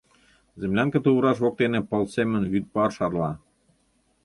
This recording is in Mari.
Землянка тувраш воктене пыл семын вӱд пар шарла.